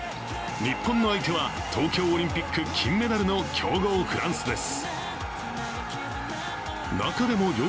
日本の相手は東京オリンピック金メダルの強豪フランスです。